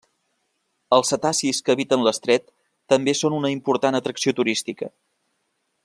Els cetacis que habiten l'estret també són una important atracció turística.